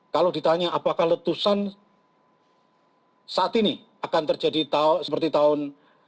kalau ditanya apakah letusan saat ini akan terjadi seperti tahun seribu sembilan ratus enam puluh tiga